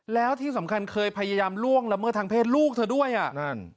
แล้วที่สำคัญเคยพยายามล่วงละเมิดทางเพศลูกเธอด้วยอ่ะนั่น